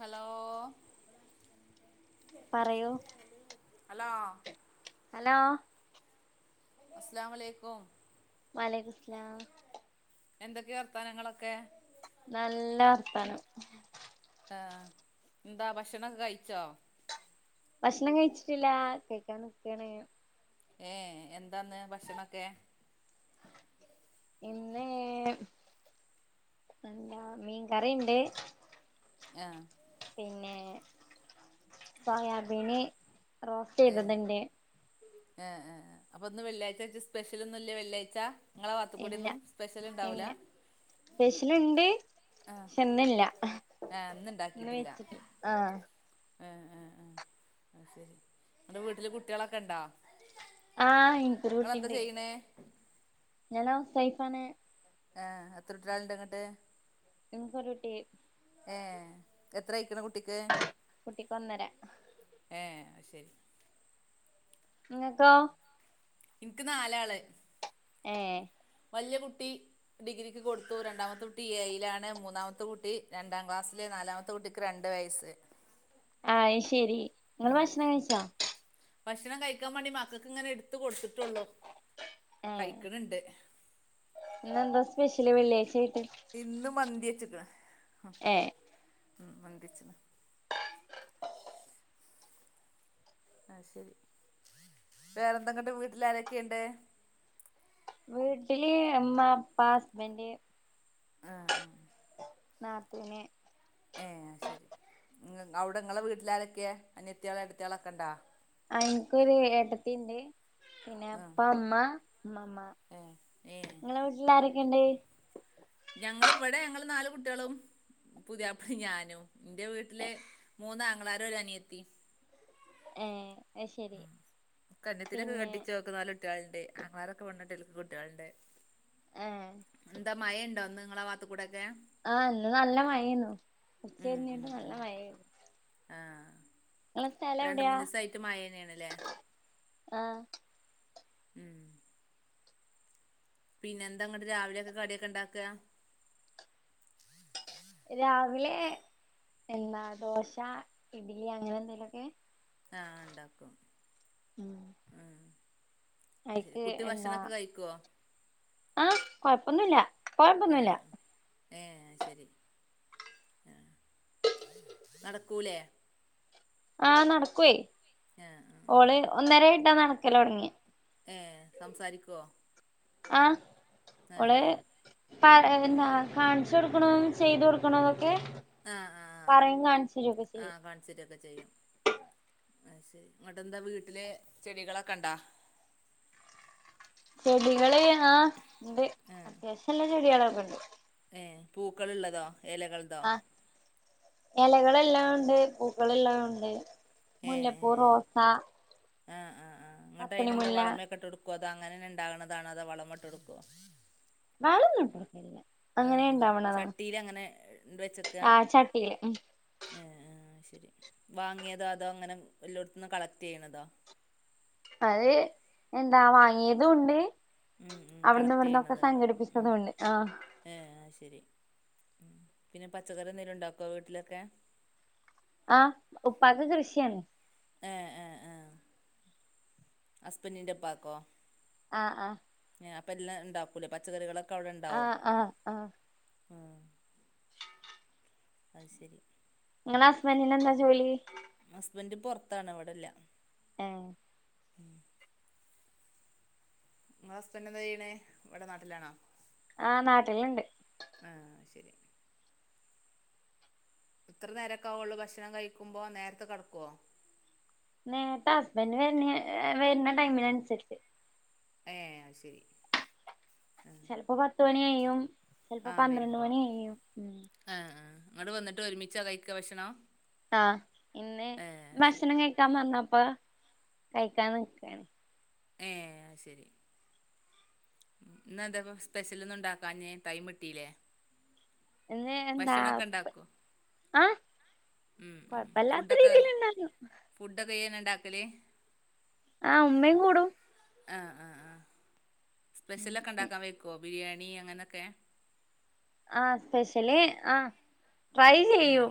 Hello പറയൂ hello hello അസ്‌ലാംഅലൈക്കും വഅലൈക്കുമുസ്സലാം എന്തൊക്കെയാ വർത്താനങ്ങളൊക്കെ നല്ല വർത്താനം ആഹ് ന്താ ഭക്ഷണൊക്കെ കഴിച്ചോ ഭക്ഷണം കഴിച്ചിട്ടില്ല കഴിക്കാൻ നിക്കയാണ് ഏ എന്താന്ന് ഭക്ഷണൊക്കെ ഇന്ന് എന്താ മീൻകറിണ്ട് ങ് പിന്നെ സോയാബീന് റോസ്റ്റ് ചെയ്തതുണ്ട് ഇഹ് ഇഹ് അപ്പൊന്ന് വെള്ളിയാഴ്ച ആയിട്ട് സ്പെഷ്യല് ഒന്നുംല്ല വെള്ളിയാഴ്ച്ച ങ്ങളെ ഭാഗത്ക്കൂടി ഒന്നും സ്പെഷ്യൽ ഇണ്ടാവൂല സ്പെഷ്യൽ ഉണ്ട് ക്ഷെ ഇന്നില്ല ആ ഇന്ന് ഇണ്ടാക്കിട്ടില്ല വെച്ചിട്ടില്ല ആഹ് ആ ആ ആ അത് ശരി അൻ്റെ വീട്ടില് കുട്ടിളൊക്കെ ഇണ്ടോ? ആഹ് ഇൻകൊരു കുട്ടിണ്ട്. ന്നേ. ഞലോ സെയ്ഫാണ്. ആഹ് എത്രുട്ടരാൾണ്ട്ങ്ങട്ട്? [unintelligible] ഏഹ് എത്രയ്ക്ക്ണ് കുട്ടിക്ക്? കുട്ടിക്ക് ഒന്നര ഏഹ് അ ശരി. ഇങ്ങത്തോ ഇൻക്ക് നാലാള്. ഏഹ്. വല്ല്യ കുട്ടി. ഡിഗ്രിക്ക് കൊട്ത്തു രണ്ടാമത്തെ കുട്ടി ഏയിലാണ് മൂന്നാമത്തെ കുട്ടി രണ്ടാം ക്ലാസ്സില് നാലാമ ന്റെട്ടിക്ക്‌ രണ്ട് വയസ്. ആഅ് ശരി. നിങ്ങള് ഉം ഭക്ഷണം കഴിച്ചോ ഭക്ഷണം കഴിക്കാ മാണ്ടി മക്കക്ക്ങ്ങനെ ഇട്ത്ത് കൊട്ത്ട്ടുള്ളൂ. ഏഹ് ഇന്നന്താ സ്പെഷ്യല് വെള്ള്യായ്ചയിട്ട്? ഇന്ന് മന്തിച്ച്‌ക്ക്‌ണ് ആ ഏ മ് മന്തിച്ച്ണ്. ആ ശരി വേറെന്തെങ്ങട്ട് വീട്ട് ലാരൊക്കെയുണ്ട്? വീട്ടില് ഇമ്മ, ഇപ്പാ, ഹസ്ബന്റ്. ആഹ് ആ. നാത്തൂന്‌. ഏ അ ശരി ങ്ങ ഔടെ ങ്ങളെ വീട്ട്ലാരൊക്കെയ അനിയത്ത്യാള് ഏട്ടത്യാളക്ക ണ്ടോ? അ ഇൻകൊര് ഏട്ടത്തിണ്ട് പിന്നെ പ്പ മ്മ മ്മമ്മ. ഏഹ് ഏഹ്. ങ്ങളെ വീട്ട്ലാരൊക്കെണ്ട്? ഞങ്ങള് വടെ ഞങ്ങള് നാല് കുട്ട്യളും. പുത്യാപ്ലിം ഞാനും എന്റെ വീട്ട്ല് മൂന്നാങ്ങളാരും ഒരനിയത്തിം. ഏഹ് അ ശരി പിന്നെ. ക്ക് നാല് കുട്ട്യാള്ണ്ട്. ആങ്ങളാരൊക്കെ പെണ്ണെട്ടി ഓൽക്ക് കുട്ട്യള്ണ്ട് ഏ ന്താ മയ ണ്ടൊ ന്ന് ങ്ങളാ വാത്ത്ക്കൂടെക്കെ. ആഹ് ന്ന് നല്ല മയേന്നു ഉച്ചിര്ഞ്ഞിട്ട് നല്ല മയേന്നു. ആഹ്. സ്ഥലം രണ്ട് എവിടെയാ മൂന്നിസയിട്ട് മയെന്നെണ്ല്ലേ? ആ ഉം. പിന്നെന്താങ്ങട്ട് രാവിലെക്കെ കട്യൊക്കെ ണ്ടാക്ക. രാവിലെ എന്താ ദോശ ഇഡ്ലി അങ്ങനെന്തെങ്കിലൊക്കെ. ആഹ് ണ്ടാക്കും ഉം ഉം. ശെരി അയിക്ക് കുട്ടി ഭക്ഷണൊക്കെ കയ്ക്കോ? ആഹ് കൊഴപ്പൊന്നുല്ല ആ പ്പകൊഴപ്പൊന്നുല്ല. ഏ അഹ് ശെരി ആ നടക്കൂലേ? ആഹ നട്ക്കുവേ. ഏഹ് ആഹ്. ഒന്നരേട്ടാ ന്നട്ക്കലൊട്ങ്ങ്യ. ഏഹ് സംസാരിക്കോ? ആഹ് ഓള്. കടെ ന്ന കാൺച്ചു കൊടുക്കണൊ ചെയ്തു കൊടുക്കണോന്നൊക്കെ. പറിം കാൺച്ചരുക്കെ ചെയ്യും. [unintelligible] ആ ശെരി ഇങ്ങട്ടെന്താ വീട്ടില് ചെടികളൊക്കെ ണ്ടോ? ചെടികള് ആ ഇണ്ട് രസള്ള ചെടികളൊക്കെണ്ട്. ഏ പൂക്കൾ ള്ളതോ എലകൾ. ആഹ് എലകള്‌ള്ളോണ്ട് പൂക്കള് ള്ളോണ്ട്. ഏഹ് ഏഹ് മുല്ലപ്പൂ ഏഹ് റോസാ ആഹ് ആഹ് അങ്ങട്ട് അതിനെന്താ വളമേ ക്കെട്ടോടുക്കുഓ അതോ അങ്ങനെന്നെ ഇണ്ടാകണതാണോ അതോ വളമേട്ടോട്ക്കോ? വളൊന്നും അങ്ങനെ ആഹ് ആഹ് ഇണ്ടാവണതാണ് ചട്ടിയിലങ്ങനെ ണ്ട് വെച്ചേ ക്കാ ആഹ് ചട്ടിയില് ഉം ആഹ് ശരി വാങ്ങിയതോ അതോ അങ്ങനെ വല്ലോടത്തുന്ന് കളക്ട് ചെയ്യണതോ? അത് എന്താ വാങ്ങിയതുണ്ട് ഉം ഉം അവിടുന്ന് കളക്ട് ഇവിടുന്നൊക്കെ ചെയ്യണത്ണ്ടാവും ഉം സംഘടിപ്പിച്ചതുണ്ട് ആഹ് ഏഹ് ആഹ് ശരി പിന്നെ പച്ചക്കറി എന്തേലും ഉണ്ടാക്കോ വീട്ടിലൊക്കെ ആഹ് ഉപ്പാക്ക് കൃഷിയാണ് ഏഹ് ഏഹ് ആഹ് അസ്ബന്റിന്റുപ്പാക്കൊ? ആഹ് ആഹ് അപ്പ എല്ലാ ഇണ്ടാക്കൂലേ പച്ചക്കറികള് ആഹ് ആഹ് ആഹ് ആഹ് അത് ശരി ഇങ്ങളെ ഹസ്ബന്റിന് എന്താ ജോലി? അസ്ബൻഡ് പൊറത്താണ് ഇവിടില്ല ഏഹ് [inaudible] ഇങ്ങളെ അസ്ബെന്റന്താ ചെയ്യണ് ഇവടെ നാട്ടിലാണോ? ആഹ് നാട്ടില്ണ്ട് ആഹ് ശരി ഇത്ര നേരൊക്കെ ആവുള്ളൂ ഭക്ഷണം കഴിക്കുമ്പോ നേരത്തെ കെടക്കുവോ? നേര്ത്ത ഹസ്ബൻഡ് വര്ണ വര്ണ ടൈമിനനുസരിച്ച് ഏ ഹ് അയ്ശരി ചെലപ്പോ പത്ത് മണി കയ്യും ചിലപ്പോ ആഹ് പന്ത്രണ്ട് വരുമ്പോ മണി കയ്യും ആഹ് ആഹ് ഇങ്ങള് വന്നിട്ട് ഒരുമിച്ചാ കൈക്ക ഭക്ഷണോ ആഹ് ഇന്ന് ശരി ഭക്ഷണം കഴിക്കാൻ പറഞ്ഞപ്പ കഴിക്കാൻ നിക്കാണ് ഏഹ് അയ് ശരി ഇന്നെന്താപ്പം സ്പെഷ്യൽ ഒന്നും ഉണ്ടാക്കാഞ്ഞെ ടൈമിട്ടില്ലേ ഇന്ന് എന്താ ഉണ്ടാക്കോ ആഹ് ഉം കൊഴപ്പല്ലാത്ത രീതില് ഇണ്ടാക്കു ഫുഡ്‌ഒക്ക ഇയ്യെന്നണ്ടാക്കല് ആഹ് ഉമ്മയു ആഹ് ആഹ് ആഹ് സ്പെഷ്യലൊക്കെ ണ്ടാക്കാൻ വയ്ക്കുവോ ബിരിയാണി അങ്ങനൊക്കെ ആഹ് സ്പെഷ്യല് ആഹ് ട്രൈ ആഹ് ചെയ്യൂം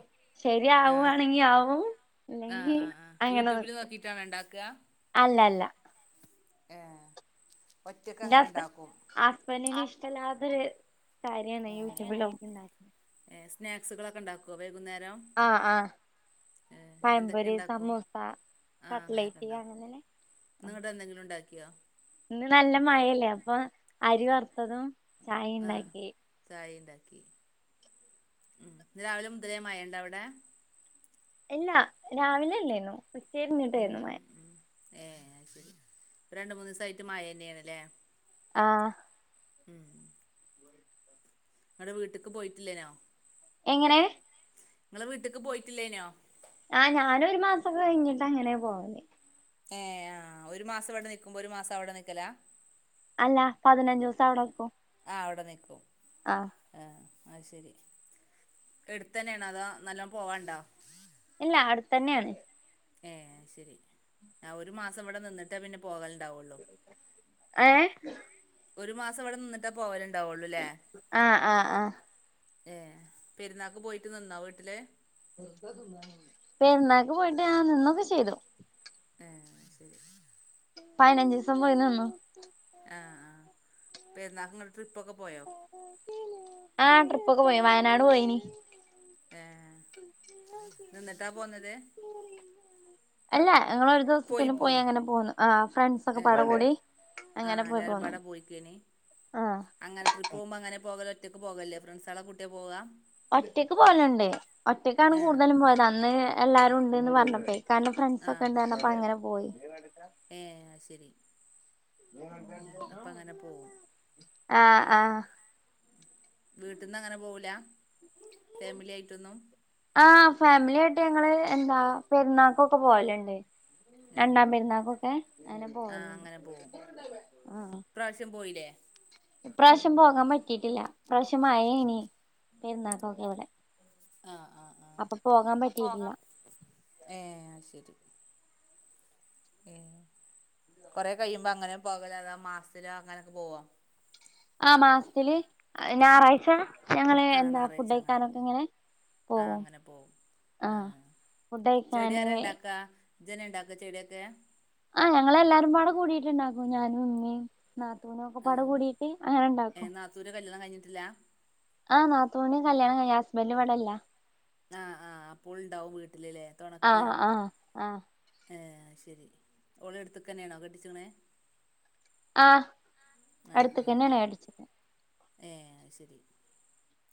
ആഹ് ശെരിയാവുവാണെങ്കി ആവു ആഹ് ആഹ് ആഹ് യൂട്യൂബില് നോക്കിട്ടാണോ ഇണ്ടാക്ക അ അല്ല അല്ല ഏ ഹ് ഒറ്റക്കങ്ങനെ ഇണ്ടാക്കും അസ് അത് കാര്യന്ന് യു ടുബില് നോ ഏഹ് സ്നാക്സുകളൊക്കെ ഉണ്ടാക്കുവോ വൈകുന്നേരം ആഹ് ആഹ് ഏഹ് എന്തൊക്കെ പഴംപൊരി ഇണ്ടാക്കു സമൂസ ആഹ് അങ്ങനൊക്കെ കട്ട്ലേറ്റ് ഇണ്ടാക്കും അങ്ങനെ ന്നിങ്ങട് ന്തെങ്കിലും ണ്ടാക്കിയോ? ഇന്ന് നല്ല മഴല്ലേ അപ്പൊ അരി വറുത്തതും ചായേണ്ടാക്കി ചായേണ്ടാക്കി ഉ ഇന്ന് രാവിലെ മുതലേ മയ്യേണ്ടാവിടെ? ഇല്ല രാവിലില്ലേനു ഉം ഉം ഉം ഏ ശരി രണ്ട് മൂന്ന് ദിസായിട്ട് മായ ന്നെയണല്ലേ ആഹ് ഉം ങ്ങടെ വീട്ട്ക്ക് പോയിട്ടില്ലേനോ? എങ്ങനെ ഇങ്ങള് വീട്ട്ക്ക് പോയിട്ടില്ലേനോ ആഹ് ഞാനൊരു മാസംക്കെ കഴിഞ്ഞിട്ട് അങ്ങനെ പോവല് ഏ ആഹ് ഒരു മാസം ഇവിടെ നിക്കുമ്പോ ഒരു മാസം അവടെ നിക്കല അല്ല പതിനഞ്ചൂസം അവടെക്കും ആഹ് അവടെ നിക്കും ആഹ് എഹ് അയ്ശരി എടുത്തു തന്നെ ആണോ അതോ നല്ലോണം പോവാണ്ടോ ഇല്ല അടുത്തന്നെയാണ് ഏഹ് ശരി അ ഒരു മാസം ഇവിടെ നിന്നി ട്ട് പിന്നെ പോകലുണ്ടാവുള്ളൂ ഏ ഒരു മാസം ഇവടെ നിന്നിട്ടേ പോവലുണ്ടാവുള്ളൂല്ലേ ആഹ് ആഹ് ആഹ് ഏഹ് പെരുന്നാക്ക് പോയിട്ട് നിന്നോ വീട്ടില് പെരുന്നാക്ക് പോയിട്ട് ആഹ് നിന്നൊക്കെ ചെയ്തു ഏഹ് ശരി പയിനഞ്ചൂസം പോയി നിന്നു ആഹ് ആഹ് പെരുന്നാളിന് ഇങ്ങള് ട്രിപ്പ് ഒക്കെ പോയോ ആഹ് ട്രിപ്പ് ഒക്കെ പോയി വയനാട് പോയിനി ഏഹ് നിന്നിട്ടാ പോന്നത് അല്ല ഇങ്ങളൊരു രൂസത്തിന് പോയി അങ്ങനെ പോന്നു ആഹ് ഫ്രണ്ട്സ് ഒക്കെ ഏഹ് പാടെകൂടി അങ്ങനെ പോയി പോന്നു ഉം ആഹ് അങ്ങനെ ട്രിപ്പ് പോവുമ്പോ അങ്ങനെ പോകല ഒറ്റയ്ക്ക് പോകല്ലേ ഫ്രണ്ട്സ് ആളെ കൂട്ടിയ പോവാ ഒറ്റക്ക് പോവലുണ്ട് ഒറ്റക്കാണ് ഏഹ് കൂടുതലും പോയത് അന്ന് എല്ലാവാരും ഉണ്ട്ന്ന് പറഞ്ഞപ്പേ ഇക്കാൻ്റെ ഫ്രണ്ട്സ് ഒക്കെ ആഹ് ഇണ്ടായിന്നു അപ്പം അങ്ങനെ പോയി ഏഹ് അശരി ആഹ് ആഹ് വീട്ടിന്ന് അങ്ങനെ പോവൂല ഫാമിലി ആയിട്ടൊന്നും ആഹ് ഫാമിലി ആയിട്ട് ഞങ്ങള് എന്താ പെരുന്നാക്കൊക്കെ പോവലുണ്ട് ഏഹ് രണ്ടാം പെരുന്നാക്കൊക്കെ അങ്ങനെ ആഹ് പോവലണ്ട് അങ്ങനെ പോവും ആഹ് ഇപ്രാവശ്യം പോയില്ലേ ഇപ്രാവശ്യം പോകാൻ പറ്റിട്ടില്ല ഇപ്രാവശ്യം മഴേന് പെരുന്നാക്കൊക്കെ ഇവടെ ആഹ് ആഹ് പറ്റിയിട്ടില്ല ആഹ് ഏ അയ്ശരി ഏഹ് കൊറെ കയുമ്പോ അങ്ങനെ പോകലാണോ അതോ മാസത്തില് അങ്ങനെയൊക്കെ പോവോ ആഹ് മാസത്തില് ഞായറാഴ്ച ഞങ്ങള് എന്താ ഫുഡ് ഞായറാഴ്ച അങ്ങനെ കഴിക്കാനൊക്കെ പോവും ഇങ്ങനെ ആഹ് പോകും അങ്ങനെ പോവും ആ ആഹ് ഫുഡ് ചെടി കഴിക്കാന് ആരാ ഇണ്ടാക്കാ ഇജ് ന്നെ ഇണ്ടാക്കോ ചെടിയൊക്കെ ആഹ് ഞങ്ങളെല്ലാരും പാടെ കൂടീട്ട്ണ്ടാക്കും ഞാനും ഉമ്മേം നാത്തൂനൊക്കെ പാടെ കൂടീട്ട് അങ്ങനെ ഇണ്ടാക്കും ത്തൂൻ്റെ കല്ല്യാണം കഴിഞ്ഞിട്ടില്ല ആഹ് നാത്തൂന് കല്യാണം കഴിഞ്ഞ് ഹസ്ബൻഡ് ഇവടില്ല ആഹ് ആഹ് അപ്പോ ഓള് ഇണ്ടാവും വീട്ടിലല്ലേ ആഹ് ആഹ് ആഹ് ഏഹ് അയ്ശരി ഓളെ അടുത്തുക്കെന്നെയാണോ കെട്ടിച്ചക്കണെ ആഹ് അടുത്തുക്കെന്നാണ് കെട്ടിച്ചക്കണ് ഏഹ് അയ് ശരി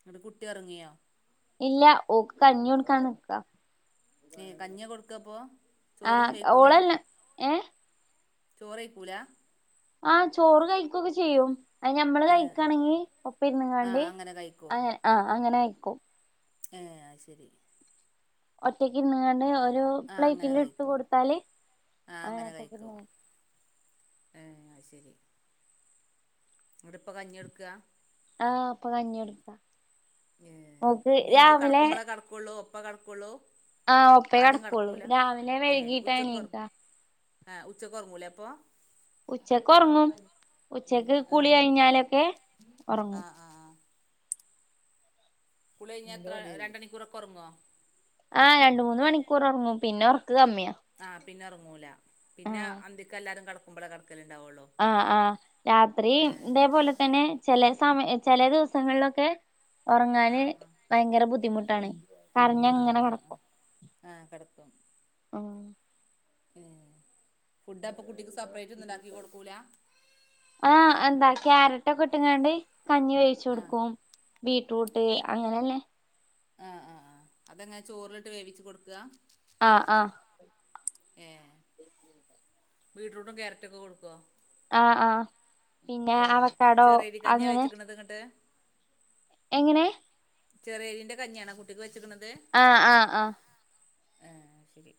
ന്നിട്ട് കുട്ടി ഉറങ്ങ്യോ ഇല്ല ഓക്ക് കഞ്ഞി കൊടുക്കാൻ നിക്ക ഏഹ് കഞ്ഞി കൊടുക്കാപ്പോ ആ ചോറൊന്നും വേക്കൂല ഓളെല്ല ഏഹ് ചോറഴിക്കൂല ആഹ് ചോറ് കഴിക്കൊക്കെ ചെയ്യും അ ഞമ്മള് ഏ കഴിക്കയാണെങ്കി ഒപ്പ ആ ഇരുന്നങ്ങാണ്ടി അങ്ങനെ കഴിക്കും അ ആ അങ്ങനെ കഴിക്കും ഏഹ് അത്ശരി ഒറ്റക്ക് ഇര്ന്ന്ങ്ങാണ്ട് ഒരു ആ അങ്ങനെ പ്ലേറ്റില് ഇട്ത്തു കഴിക്കും കൊടുത്താല് ആ അങ്ങനെ ഒറ്റക്ക് [inaudible] ഏഹ് അത്ശരി അതോണ്ട്പ്പ കഞ്ഞിയെടുക്കുക ആഹ്, ഇപ്പം കഞ്ഞി എടുക്കുവാ ഏഹ് നിങ്ങൾ കടക്കുമ്പോളെ കടക്കുള്ളൂ ഒപ്പം കടക്കുള്ളൂ ആഹ് ഒപ്പേ ആദ്യം കടക്കൊള്ളൂ കിടക്കൂല, രാവിലെ ഏഹ് വൈകീട്ടാ ഉച്ചക്കുറ, എണീക്ക ആ ഉച്ചക്കുറങ്ങൂല അപ്പൊ ഉച്ചക്ക് ഉറങ്ങും ഉച്ചക്ക് ആ കുളി കഴിഞ്ഞാലൊക്കെ ആ ഉറങ്ങും ആ ആ കുളി കഴിഞ്ഞാ, എത്ര രണ്ടണിക്കൂറക്കെ കുറങ്ങോ ആഹ് രണ്ട് മൂന്ന് മണിക്കൂർ ഒറങ്ങും പിന്നെ ഉറക്കം കമ്മിയാ ആന് പിന്നെ ഒറങ്ങൂല, പിന്നെ ആഹ് അന്തിക്ക് എല്ലാരും കടക്കുമ്പോളെ കടക്കലിണ്ടാവള്ളോ ആഹ്., ആഹ് രാത്രി ഇതേപോലെ തന്നെ ചെല സമയ ചെല ദിവസങ്ങളിലൊക്കെ ആ ഒറങ്ങാന് ആ ഭയങ്കര ബുദ്ധിമുട്ടാണ് കരഞ്ഞ ആ ങ്ങനെ ആ ആ കടക്കും. ആ ഉം ഏഹ് ഫുഡ് അപ്പൊ കുട്ടിക്ക് സെപ്പറേറ്റ് ഒന്നും ഉണ്ടാക്കി കൊടുക്കൂല ആഹ്, എന്താ ക്യാരറ്റ് ഒക്കെ ഇട്ടങ്ങാണ്ട് കഞ്ഞി ഉണ്ടാക്കി വച്ച് ആ കൊടുക്കും ബീറ്റ് റൂട്ട് അങ്ങനല്ലേ ആ, ആ ആ അതെങ്ങെ ചോറിലിട്ട് വേവിച്ച് കൊടുക ആ, ആ ഏ ബീടറൂട്ടും ക്യാരറ്റൊക്കെ കൊടുക്കുവോ? ആ,, ആ പിന്നെ അവക്കടോ അങ്ങനെ അതങ്ങട്ട് എങ്ങനെ ചെറിയ രീന്റെ കഞ്ഞിയാണോ കുട്ടിക്ക് വെച്ചക്ക്ന്നത് ആഹ, ആഹ ആഹ അ അ ഹെ ശരി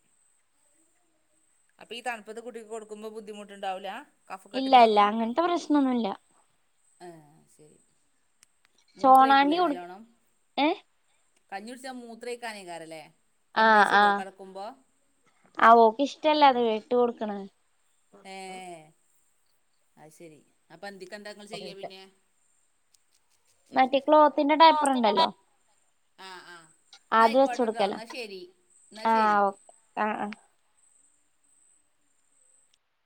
അപ്പൊ ഈ തണുപ്പത്ത് കുട്ടിക്ക് കൊടുക്കുമ്പോ ബുദ്ധിമുട്ടുണ്ടാവൂല്ല. ഇല്ല കഫക്കെട്ടിന്റെ ഇല്ല ഒന്നും അങ്ങനത്തെ പ്രശ്നൊന്നുല്ല ഇല്ല ഇല്ല ആഹ ശരി മൂത്രം ചോളാണ്ടി ഒഴിക്കൂല്ലേ കൊടു നല്ലോണ്ണം, ഏഹ് കഞ്ഞി കുടിച്ച മൂത്രേക്കാനേക്കാരല്ലേ ആഹ് ആഹ ആ ഓക്ക് ഇഷ്ടല്ല അത് വെട്ട്. കൊടുക്കണെ ഏ അത് ശെരി, അപ്പൊ അന്തിക്ക് ന്താ ചെയ്യാ നിങ്ങള് പിന്നെ. മടി [unintelligible] ക്ളോതിന്റെ [unintelligible] ആ, ആ, അത് വെച്ച് എന്നയിക്കോട്ടെ കൊടുക്കല എന്ന ശരി എന്നാ ശരി അ അ